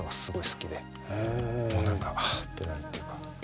もう何かあってなるっていうか。